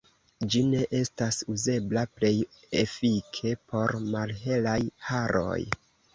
Ĝi ne estas uzebla plej efike por malhelaj haroj.